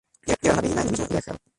Llegaron a Viena en el mismo Learjet.